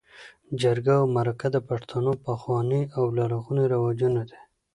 جرګه او مرکه د پښتنو پخواني او لرغوني رواجونه دي.